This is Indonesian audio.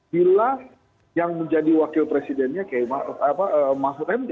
bila yang menjadi wakil presidennya km a'ruf apa eh mahfud md